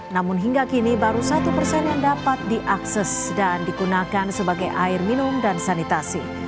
namun hingga kini baru satu persen yang dapat diakses dan digunakan sebagai air minum dan sanitasi